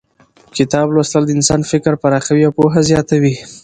کتاب لوستل د انسان فکر پراخوي او پوهه زیاتوي